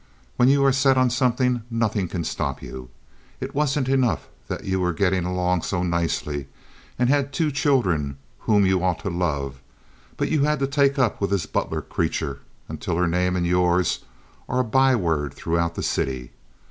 When you are set on something, nothing can stop you. It wasn't enough that you were getting along so nicely and had two children whom you ought to love, but you had to take up with this Butler creature until her name and yours are a by word throughout the city.